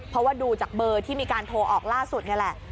เพราะว่าดูจากเบอร์ที่มีการโทรออกล่าสุดนี่แหละ